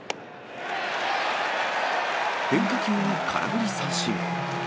変化球に空振り三振。